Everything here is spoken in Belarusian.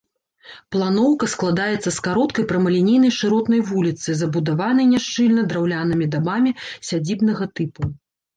Планоўка складаецца з кароткай прамалінейнай шыротнай вуліцы, забудаванай няшчыльна драўлянымі дамамі сядзібнага тыпу.